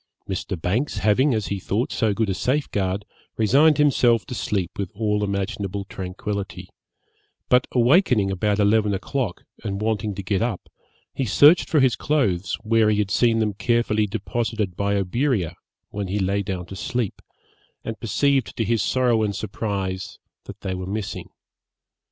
Mr. Banks having, as he thought, so good a safeguard, resigned himself to sleep with all imaginable tranquillity; but awakening about eleven o'clock, and wanting to get up, he searched for his clothes where he had seen them carefully deposited by Oberea, when he lay down to sleep, and perceived to his sorrow and surprise, that they were missing.